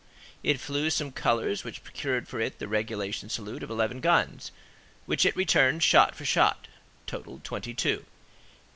It flew some colors which procured for it the regulation salute of eleven guns, which it returned, shot for shot; total, twenty two.